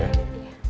iya baik pak